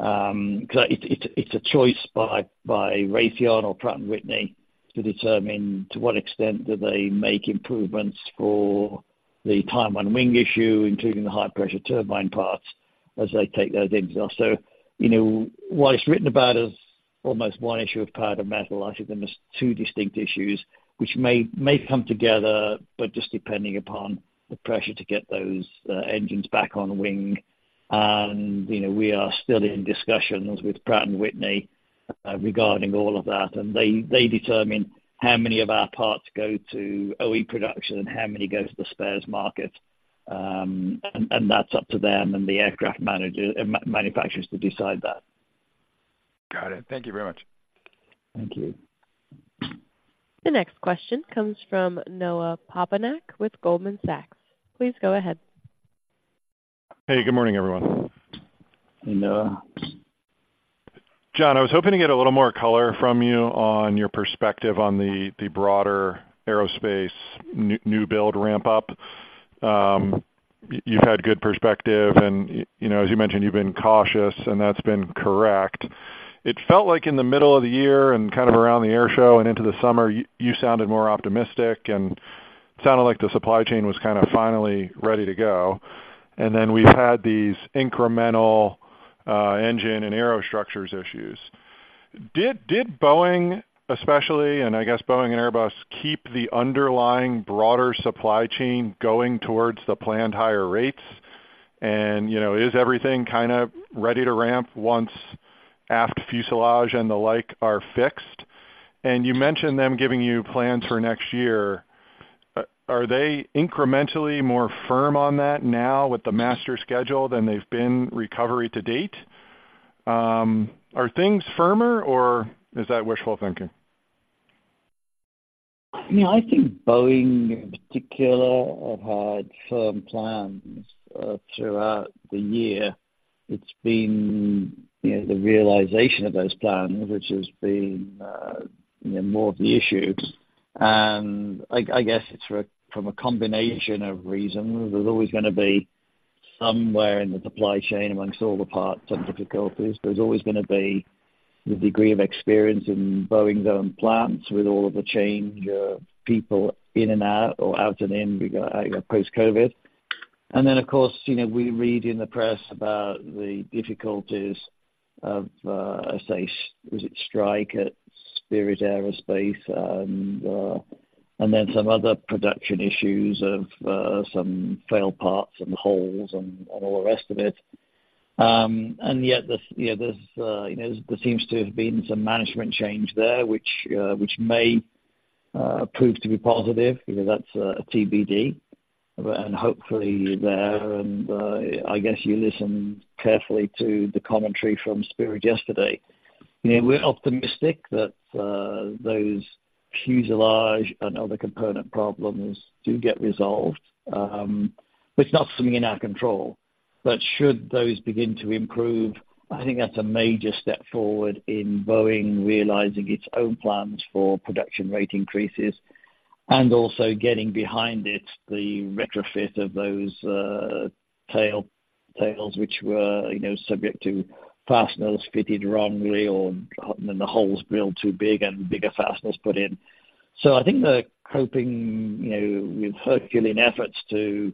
'Cause it's a choice by Raytheon or Pratt & Whitney to determine to what extent do they make improvements for the time on wing issue, including the high pressure turbine parts, as they take those engines off. So, you know, what it's written about is almost one issue of powder metal. I see them as two distinct issues which may come together, but just depending upon the pressure to get those engines back on wing. And, you know, we are still in discussions with Pratt & Whitney regarding all of that, and they determine how many of our parts go to OE production and how many go to the spares market. And that's up to them and the aircraft manufacturers to decide that. Got it. Thank you very much. Thank you. The next question comes from Noah Poponak with Goldman Sachs. Please go ahead. Hey, good morning, everyone. Noah. John, I was hoping to get a little more color from you on your perspective on the broader aerospace new build ramp up. You've had good perspective and, you know, as you mentioned, you've been cautious, and that's been correct. It felt like in the middle of the year and kind of around the air show and into the summer, you sounded more optimistic, and sounded like the supply chain was kind of finally ready to go. And then we've had these incremental engine and aerostructures issues. Did Boeing especially, and I guess Boeing and Airbus, keep the underlying broader supply chain going towards the planned higher rates? And, you know, is everything kind of ready to ramp once aft fuselage and the like are fixed? And you mentioned them giving you plans for next year. Are they incrementally more firm on that now with the master schedule than they've been recovery to date? Are things firmer, or is that wishful thinking? You know, I think Boeing, in particular, have had firm plans throughout the year. It's been, you know, the realization of those plans, which has been, you know, more of the issue. And I guess it's from a combination of reasons, there's always gonna be somewhere in the supply chain, among all the parts and difficulties, there's always gonna be the degree of experience in Boeing's own plants with all of the change of people in and out or out and in we got post-COVID. And then, of course, you know, we read in the press about the difficulties of, say, was it strike at Spirit AeroSystems, and then some other production issues of some failed parts and holes and all the rest of it. And yet there's, you know, there seems to have been some management change there, which may prove to be positive, because that's TBD, and hopefully there, and I guess you listen carefully to the commentary from Spirit yesterday. You know, we're optimistic that those fuselage and other component problems do get resolved, but it's not something in our control. But should those begin to improve, I think that's a major step forward in Boeing realizing its own plans for production rate increases, and also getting behind it, the retrofit of those tails, which were, you know, subject to fasteners fitted wrongly or, and the holes built too big and bigger fasteners put in. So I think they're coping, you know, with Herculean efforts to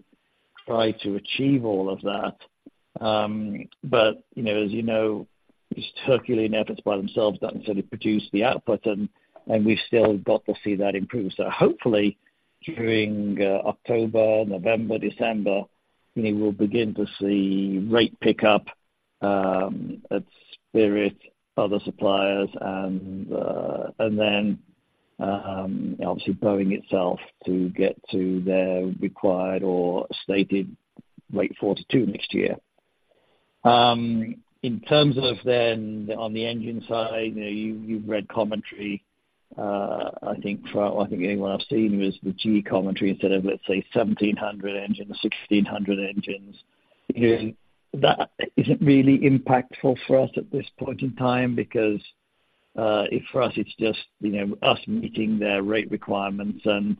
try to achieve all of that. But, you know, as you know, these herculean efforts by themselves don't necessarily produce the output, and, and we've still got to see that improve. So hopefully, during October, November, December, we will begin to see rate pickup at Spirit, other suppliers, and then obviously Boeing itself to get to their required or stated rate 42 next year. In terms of then on the engine side, you know, you, you've read commentary, I think from... I think anyone I've seen was the GE commentary instead of, let's say, 1,700 engines, 1,600 engines. You know, that isn't really impactful for us at this point in time, because for us, it's just, you know, us meeting their rate requirements, and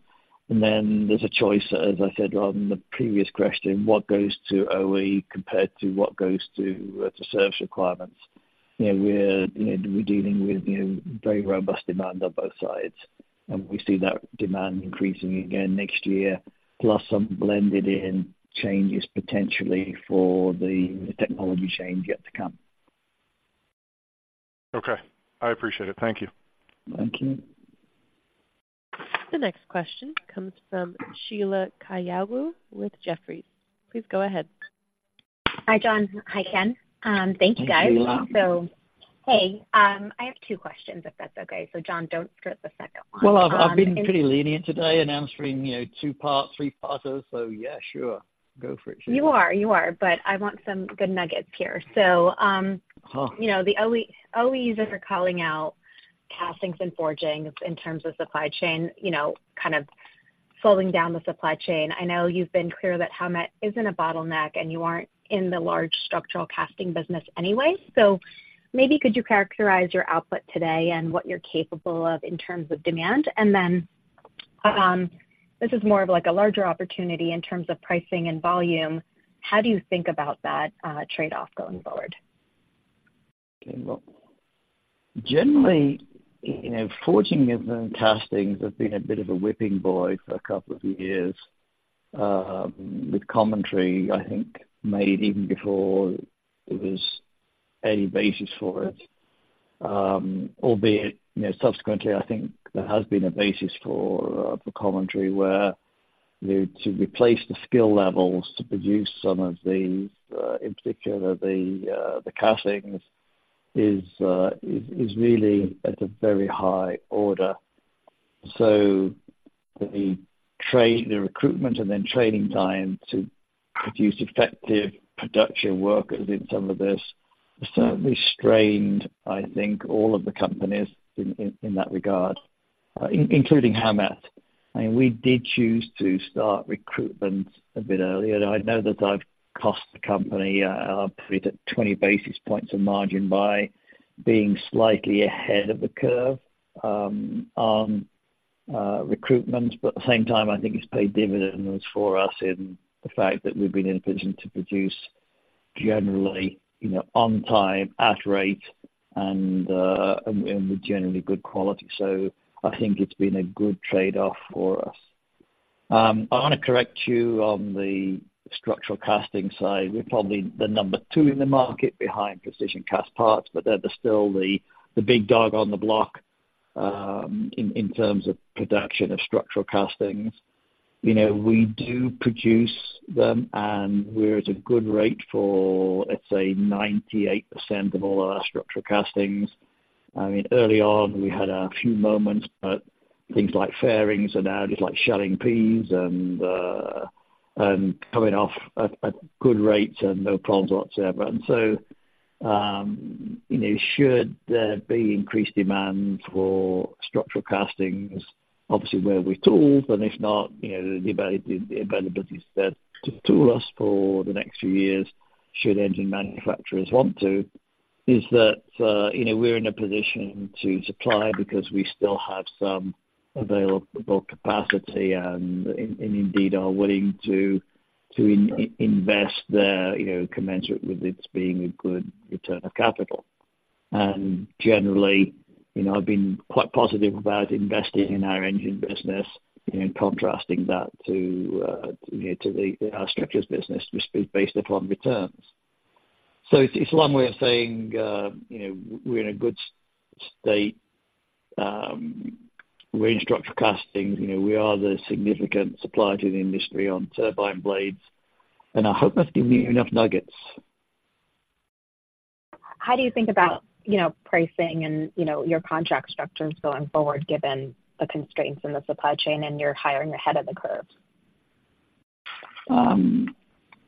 then there's a choice, as I said, rather than the previous question, what goes to OE compared to what goes to service requirements? You know, you know, we're dealing with, you know, very robust demand on both sides, and we see that demand increasing again next year, plus some blended in changes potentially for the technology chain yet to come. Okay, I appreciate it. Thank you. Thank you. The next question comes from Sheila Kahyaoglu with Jefferies. Please go ahead. Hi, John. Hi, Ken. Thank you, guys. Thank you. Hey, I have two questions, if that's okay. John, don't skip the second one. Well, I've been pretty lenient today in answering, you know, two part, three parters, so yeah, sure. Go for it, Sheila. You are, but I want some good nuggets here. So, Uh. You know, the OE, OEs are calling out castings and forgings in terms of supply chain, you know, kind of falling down the supply chain. I know you've been clear that Howmet isn't a bottleneck, and you aren't in the large structural casting business anyway. So maybe could you characterize your output today and what you're capable of in terms of demand? And then, this is more of like a larger opportunity in terms of pricing and volume, how do you think about that trade-off going forward? Okay, well, generally, you know, forging and castings have been a bit of a whipping boy for a couple of years, with commentary, I think made even before there was any basis for it. Albeit, you know, subsequently, I think there has been a basis for commentary where, you know, to replace the skill levels to produce some of these, in particular, the castings, is really at a very high order. So the training, the recruitment and then training time to produce effective production workers in some of this, certainly strained, I think, all of the companies in that regard, including Howmet. I mean, we did choose to start recruitment a bit earlier. I know that I've cost the company, probably at 20 basis points of margin by being slightly ahead of the curve, on recruitment, but at the same time, I think it's paid dividends for us in the fact that we've been in position to produce generally, you know, on time, at rate, and with generally good quality. So I think it's been a good trade-off for us. I wanna correct you on the structural casting side. We're probably the number two in the market behind Precision Castparts, but they're still the big dog on the block, in terms of production of structural castings. You know, we do produce them, and we're at a good rate for, let's say, 98% of all of our structural castings. I mean, early on, we had a few moments, but things like fairings are now just like shelling peas and coming off at good rates and no problems whatsoever. And so, you know, should there be increased demand for structural castings, obviously we're tooled, and if not, you know, the availability is set to tool us for the next few years, should engine manufacturers want to. Is that, you know, we're in a position to supply because we still have some available capacity and indeed are willing to invest there, you know, commensurate with it being a good return of capital. And generally, you know, I've been quite positive about investing in our engine business and contrasting that to our structures business, just based upon returns. So it's one way of saying, you know, we're in a good state. We're in structural castings, you know, we are the significant supplier to the industry on turbine blades, and I hope I've given you enough nuggets. How do you think about, you know, pricing and, you know, your contract structures going forward, given the constraints in the supply chain and you're hiring ahead of the curve?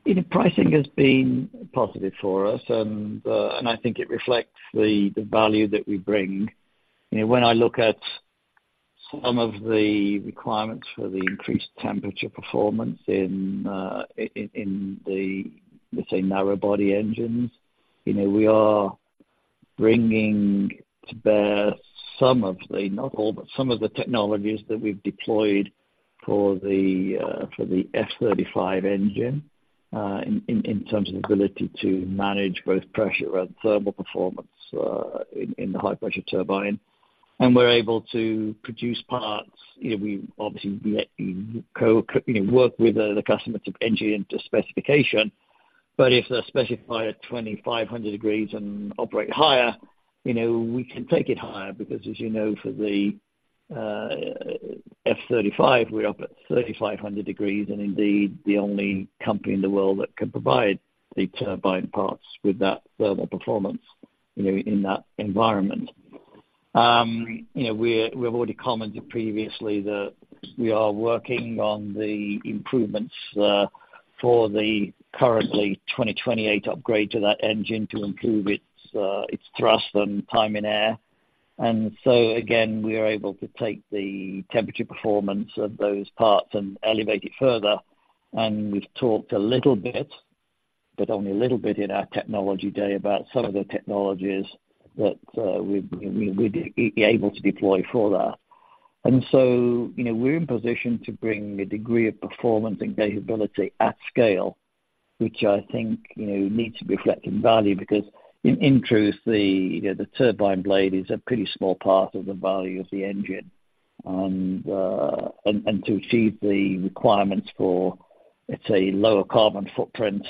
You know, pricing has been positive for us, and I think it reflects the value that we bring. You know, when I look at some of the requirements for the increased temperature performance in the, let's say, narrow body engines, you know, we are bringing to bear some of the, not all, but some of the technologies that we've deployed for the F-35 engine, in terms of the ability to manage both pressure and thermal performance, in the high pressure turbine. And we're able to produce parts. You know, we obviously, you know, work with the customer to engineer into specification, but if they're specified at 2,500 degrees and operate higher, you know, we can take it higher, because as you know, for the F-35, we're up at 3,500 degrees, and indeed, the only company in the world that can provide the turbine parts with that thermal performance, you know, in that environment. You know, we've already commented previously that we are working on the improvements for the currently 2028 upgrade to that engine to improve its thrust and time and air. And so again, we are able to take the temperature performance of those parts and elevate it further. And we've talked a little bit, but only a little bit in our technology day, about some of the technologies that we, we'd be able to deploy for that. And so, you know, we're in position to bring a degree of performance and scalability at scale, which I think, you know, needs to be reflected in value, because in truth, you know, the turbine blade is a pretty small part of the value of the engine. And to achieve the requirements for, let's say, lower carbon footprint,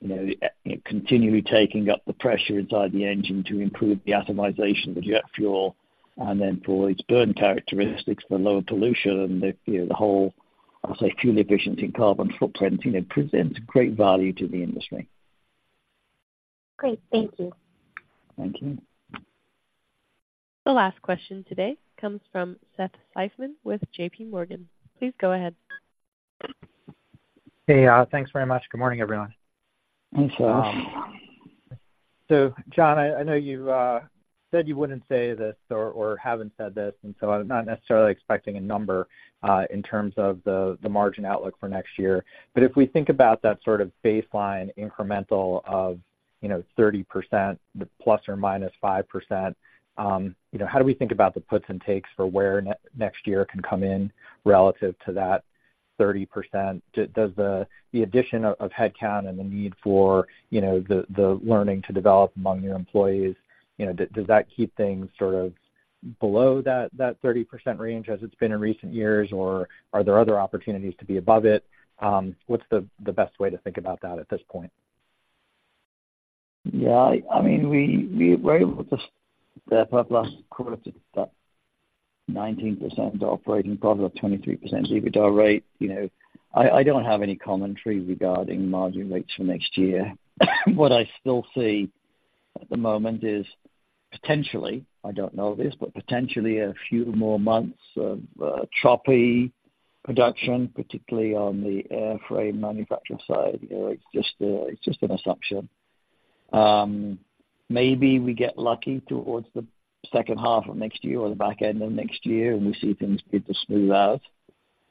you know, continually taking up the pressure inside the engine to improve the atomization of the jet fuel, and then for its burn characteristics, the lower pollution, and the, you know, the whole, I'll say, fuel efficiency and carbon footprint, you know, presents great value to the industry. Great. Thank you. Thank you. The last question today comes from Seth Seifman with JP Morgan. Please go ahead. Hey, thanks very much. Good morning, everyone. Thanks, Seth. So John, I know you've said you wouldn't say this or haven't said this, and so I'm not necessarily expecting a number in terms of the margin outlook for next year. But if we think about that sort of baseline incremental of, you know, 30% ±5%, you know, how do we think about the puts and takes for where next year can come in relative to that 30%? Does the addition of headcount and the need for, you know, the learning to develop among your employees, you know, does that keep things sort of below that 30% range as it's been in recent years, or are there other opportunities to be above it? What's the best way to think about that at this point? Yeah, I mean, we were able to that last quarter to about 19% operating profit on 23% EBITDA rate. You know, I don't have any commentary regarding margin rates for next year. What I still see at the moment is potentially, I don't know this, but potentially a few more months of choppy production, particularly on the airframe manufacturing side. You know, it's just, it's just an assumption. Maybe we get lucky towards the H2 of next year or the back end of next year, and we see things begin to smooth out.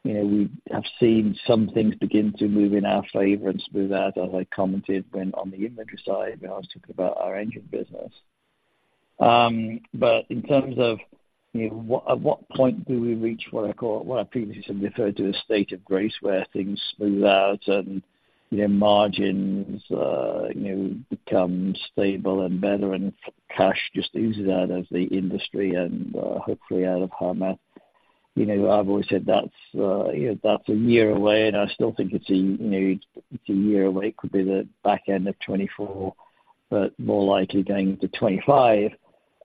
You know, we have seen some things begin to move in our favor and smooth out, as I commented when on the inventory side, when I was talking about our engine business. But in terms of, you know, at what point do we reach what I call, what I previously referred to as state of grace, where things smooth out and, you know, margins, you know, become stable and better, and cash just eases out of the industry and, hopefully out of Howmet. You know, I've always said that's, you know, that's a year away, and I still think it's a, you know, it's a year away. It could be the back end of 2024, but more likely going into 2025.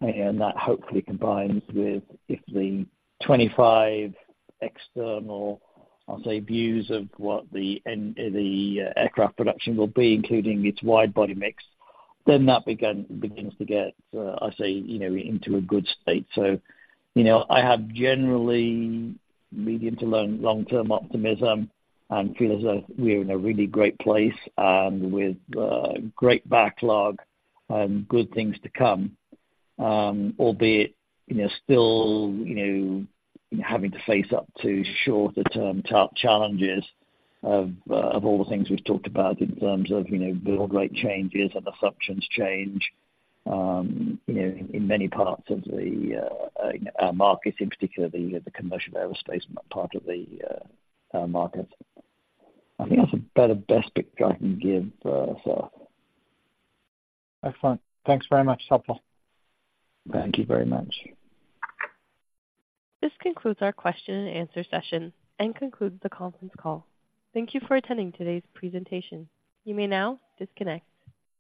And that hopefully combines with if the 2025 external, I'll say, views of what the end, the, aircraft production will be, including its wide body mix, then that begins to get, I say, you know, into a good state. So, you know, I have generally medium to long, long-term optimism and feel as though we're in a really great place, with great backlog and good things to come. Albeit, you know, still, you know, having to face up to shorter-term challenges of all the things we've talked about in terms of, you know, build rate changes and assumptions change, you know, in many parts of the markets, in particular, the commercial aerospace part of the market. I think that's a better best picture I can give, sir. Excellent. Thanks very much. Helpful. Thank you very much. This concludes our question and answer session and concludes the conference call. Thank you for attending today's presentation. You may now disconnect.